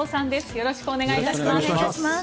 よろしくお願いします。